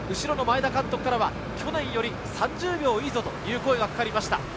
前田監督からは去年より３０秒いいぞという声がかかりました。